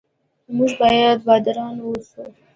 موږ باید باداران اوسو.